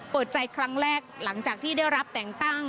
เปิดใจครั้งแรกหลังจากที่ได้รับแต่งตั้ง